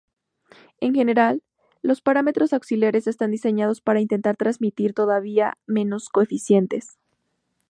En general, los parámetros auxiliares están diseñados para intentar transmitir todavía menos coeficientes.